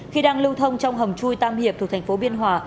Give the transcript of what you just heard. khi đang lưu thông trong hầm chui tam hiệp thuộc thành phố biên hòa